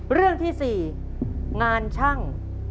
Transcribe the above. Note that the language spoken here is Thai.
เรื่องที่๔งานช่าง